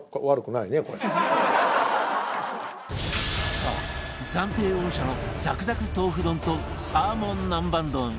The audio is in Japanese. さあ暫定王者のザクザク豆腐丼とサーモン南蛮丼